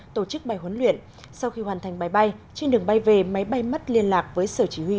tổ chức bay huấn luyện sau khi hoàn thành bay bay trên đường bay về máy bay mất liên lạc với sở chỉ huy